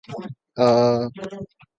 The current Director is Andy Hudson-Smith.